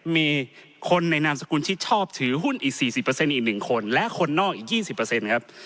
มีคนในนามสกุลชิดชอบถือหุ้นอีก๔๐เปอร์เซ็นต์อีก๑คนและคนนอกอีก๒๐เปอร์เซ็นต์ครับ